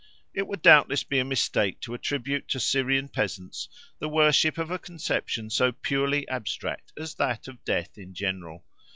It would doubtless be a mistake to attribute to Syrian peasants the worship of a conception so purely abstract as that of death in general.